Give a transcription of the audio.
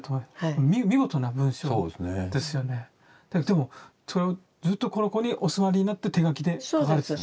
でもそれをずっとここにお座りになって手書きで書かれて。